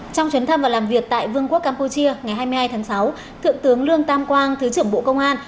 trong chuyến thăm và làm việc tại vương quốc campuchia ngày hai mươi hai tháng sáu thượng tướng lương tam quang thứ trưởng bộ công an